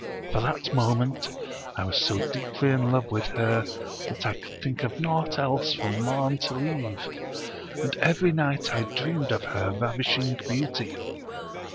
From that moment, I was so deeply in love with her that I could think of naught else from morn till eve; and every night I dreamed of her ravishing beauty.